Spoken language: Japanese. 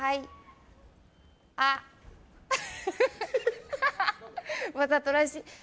あっ。わざとらしい。